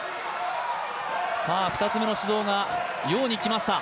２つ目の指導が楊に来ました。